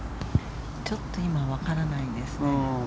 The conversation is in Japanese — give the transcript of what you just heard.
ちょっと今、わからないですね。